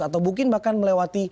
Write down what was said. atau mungkin bahkan melewati